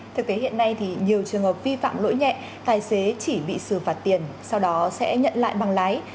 thực tế hiện nay thì nhiều trường hợp vi phạm lỗi nhẹ tài xế chỉ bị xử phạt tiền sau đó sẽ nhận lại bằng lái